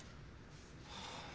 はあ。